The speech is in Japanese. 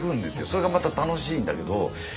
それがまた楽しいんだけど。